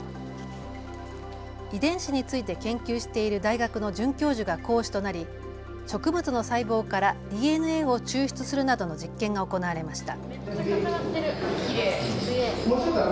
遺伝子について研究している大学の准教授が講師となり植物の細胞からＤＮＡを抽出するなどの実験が行われました。